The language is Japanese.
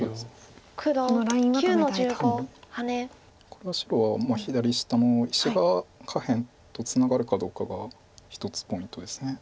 これは白は左下の石が下辺とツナがるかどうかが一つポイントです。